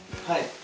はい。